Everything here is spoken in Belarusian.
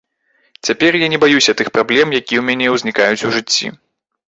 Цяпер я не баюся тых праблем, якія ў мяне ўзнікаюць у жыцці.